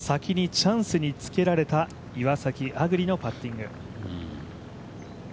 先にチャンスにつけられた岩崎亜久竜のパッティング。